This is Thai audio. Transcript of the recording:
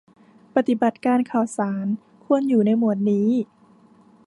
ปฏิบัติการข่าวสารควรอยู่ในหมวดนี้